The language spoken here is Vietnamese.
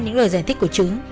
những lời giải thích của trứ